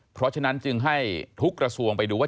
เพราะฉะนั้นจึงให้ทุกกระทรวงไปดูว่า